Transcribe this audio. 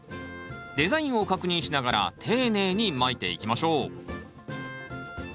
デザインを確認しながら丁寧にまいていきましょう。